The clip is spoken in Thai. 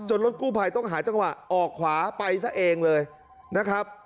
รถกู้ภัยต้องหาจังหวะออกขวาไปซะเองเลยนะครับ